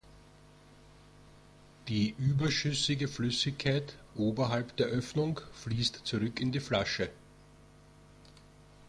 Die überschüssige Flüssigkeit oberhalb der Öffnung fließt zurück in die Flasche.